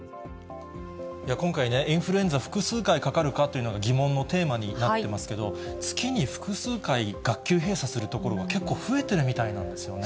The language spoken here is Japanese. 今回ね、インフルエンザ、複数回かかるかっていうのがギモンのテーマになってますけど、月に複数回、学級閉鎖する所が結構増えてるみたいなんですよね。